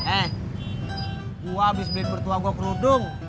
eh gue abis beliin mertua gue kerudung